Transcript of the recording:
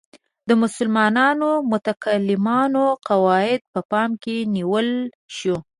د مسلمانو متکلمانو قواعد په پام کې نیول شو.